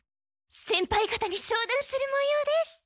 先輩方に相談するもようです。